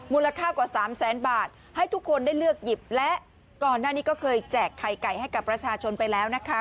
มูลค่ากว่าสามแสนบาทให้ทุกคนได้เลือกหยิบและก่อนหน้านี้ก็เคยแจกไข่ไก่ให้กับประชาชนไปแล้วนะคะ